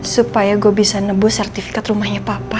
supaya gue bisa nebu sertifikat rumahnya papa